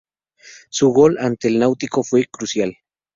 Su gol ante el Náutico fue crucial.